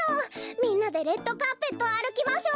みんなでレッドカーペットあるきましょう！